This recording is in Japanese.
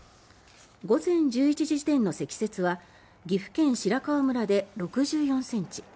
午前１１時時点の積雪は岐阜県白川村で６４ｃｍ